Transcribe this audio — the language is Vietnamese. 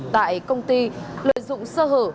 tại công ty lợi dụng sơ hở